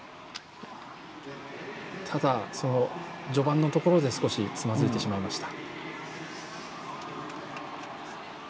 ただ、序盤のところで少し、つまずいてしまいました。